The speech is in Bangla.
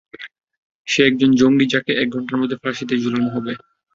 সে একজন জঙ্গি যাকে, এক ঘন্টার মধ্যে ফাঁসিতে ঝুলানো হবে।